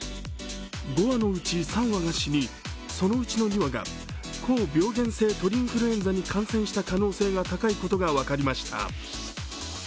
５羽のうち３羽が市に、そのうちの２羽が高病原性鳥インフルエンザに高いことが分かりました。